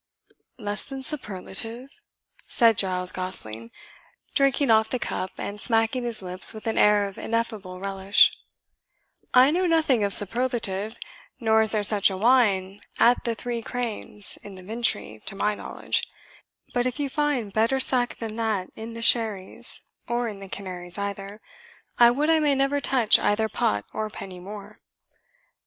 "Less than superlative?" said Giles Gosling, drinking off the cup, and smacking his lips with an air of ineffable relish, "I know nothing of superlative, nor is there such a wine at the Three Cranes, in the Vintry, to my knowledge; but if you find better sack than that in the Sheres, or in the Canaries either, I would I may never touch either pot or penny more.